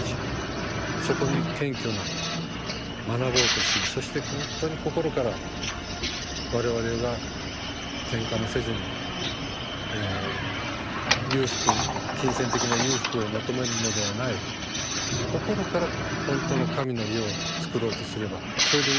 そこに謙虚な学ぼうとしそして本当に心から我々がけんかもせずに金銭的な裕福を求めるのではない心から本当の神の家を作ろうとすればそれでいいんです。